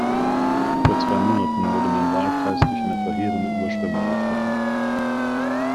Vor zwei Monaten wurde mein Wahlkreis durch eine verheerende Überschwemmung getroffen.